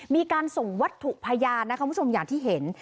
มีการส่งวัตถุพยานนะคะคุณผู้ชมอย่างที่เห็น